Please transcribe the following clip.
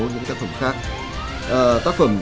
những tác phẩm khác